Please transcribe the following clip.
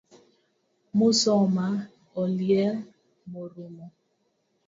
Musoma oliel morumo